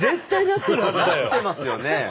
なってますよね。